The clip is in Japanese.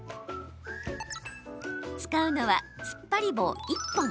使うのは、つっぱり棒１本。